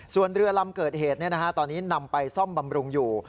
ส่วนเรือลำเกิดเหตุตอนนี้นำไปซ่อมบำรุงอยู่